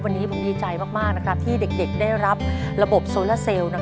วันนี้ผมดีใจมากที่เด็กได้รับระบบโซลาเซลล์